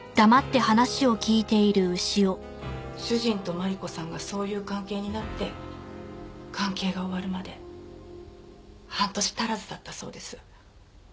主人と万里子さんがそういう関係になって関係が終わるまで半年足らずだったそうです。